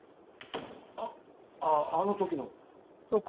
あっあの時の。